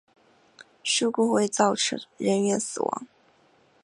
事故未造成人员伤亡。